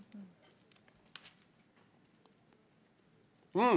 うん。